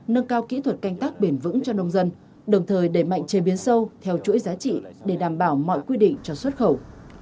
nâng cao kỹ thuật canh tác bền vững cho nông dân đồng thời đẩy mạnh chế biến sâu theo chuỗi giá trị để đảm bảo mọi quy định cho xuất khẩu